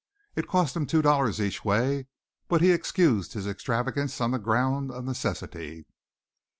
It cost him two dollars each way but he excused his extravagance on the ground of necessity.